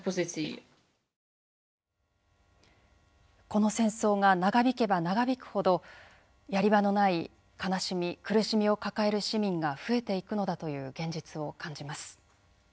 この戦争が長引けば長引くほどやり場のない悲しみ苦しみを抱える市民が増えていくのだという現実を感じます。